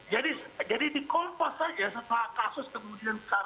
jadi di kompas saja setelah kasus kemudian